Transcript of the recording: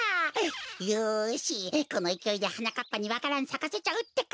よしこのいきおいではなかっぱにわか蘭さかせちゃうってか！